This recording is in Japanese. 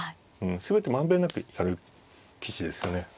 全てまんべんなくやる棋士ですよね。